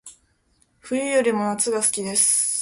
冬よりも夏が好きです